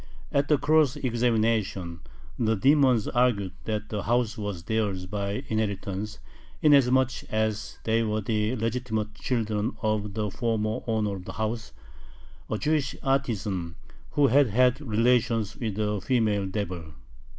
At the cross examination the demons argued that the house was theirs by inheritance, inasmuch as they were the legitimate children of the former owner of the house, a Jewish artisan who had had relations with a female devil.